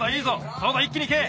そうだ一気にいけ。